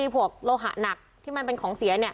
พวกโลหะหนักที่มันเป็นของเสีย